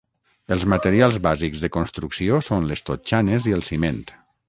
Els materials bàsics de construcció són les totxanes i el ciment.